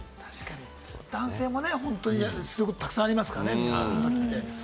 男性もすること、たくさんありますからね。